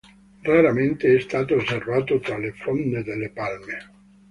Raramente è stato osservato tra le fronde delle Palme.